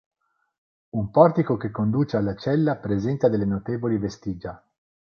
Un portico che conduce alla "cella" presenta delle notevoli vestigia.